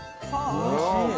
おいしい。